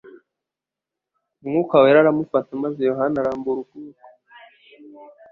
Umwuka wera aramufata, maze Yohana arambura ukuboko